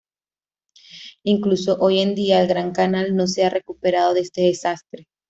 Incluso hoy en día, el Gran Canal no se ha recuperado de este desastre.